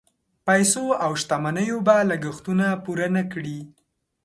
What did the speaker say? پیسو او شتمنیو به لګښتونه پوره نه کړي.